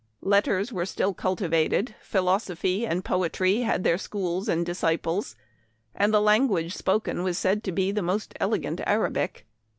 Letters were still cultivated, philoso phy and poetry had their schools and disciples, and the language spoken was said to be the most elegant Arabic.